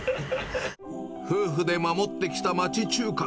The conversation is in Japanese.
夫婦で守ってきた町中華。